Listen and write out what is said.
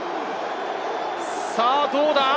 さぁどうだ？